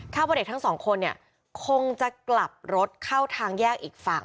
ว่าเด็กทั้งสองคนเนี่ยคงจะกลับรถเข้าทางแยกอีกฝั่ง